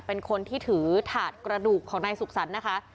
เป็นคนที่ถือถาดกระดูกของนายสุขสรรค์นะคะ